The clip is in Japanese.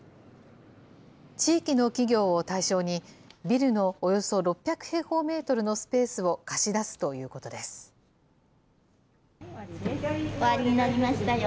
地域の企業を対象に、ビルのおよそ６００平方メートルのスペースを貸し出すということです。